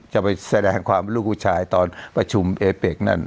จะไปแสดงความลูกผู้ชายตอนประชุมเอเป็กนั่น